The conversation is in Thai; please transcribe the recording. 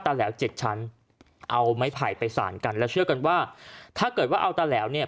แหลวเจ็ดชั้นเอาไม้ไผ่ไปสารกันแล้วเชื่อกันว่าถ้าเกิดว่าเอาตาแหลวเนี่ย